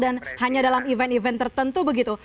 dan hanya dalam event event tertentu begitu